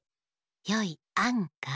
よい「あん」が「かけ」